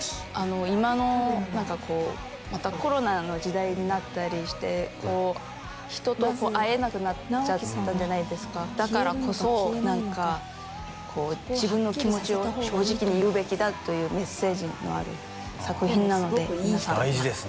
今の何かこうコロナの時代になったりして人と会えなくなっちゃったじゃないですかだからこそ何かこう自分の気持ちを正直に言うべきだというメッセージのある作品なので皆さん大事ですね